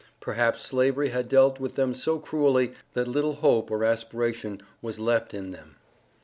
Perhaps Slavery had dealt with them so cruelly, that little hope or aspiration was left in them.